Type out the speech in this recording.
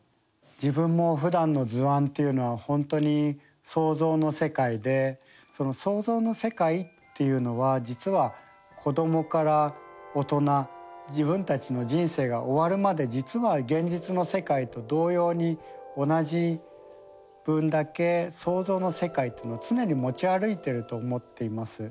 自分もふだんの図案っていうのは本当に想像の世界でその想像の世界っていうのは実は子どもから大人自分たちの人生が終わるまで実は現実の世界と同様に同じ分だけ想像の世界っていうのを常に持ち歩いていると思っています。